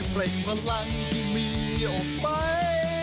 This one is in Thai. เร่งพลังที่มีออกไป